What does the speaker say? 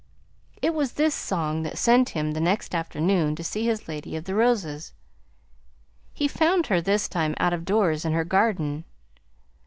It was this song that sent him the next afternoon to see his Lady of the Roses. He found her this time out of doors in her garden.